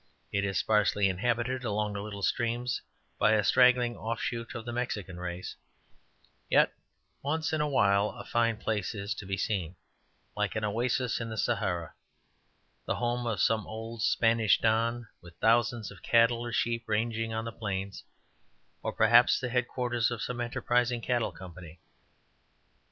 It is sparsely inhabited along the little streams by a straggling off shoot of the Mexican race; yet once in a while a fine place is to be seen, like an oasis in the Sahara, the home of some old Spanish Don, with thousands of cattle or sheep ranging on the plains, or perhaps the headquarters of some enterprising cattle company.